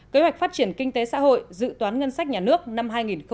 kế hoạch phát triển kinh tế xã hội dự toán ngân sách nhà nước năm hai nghìn hai mươi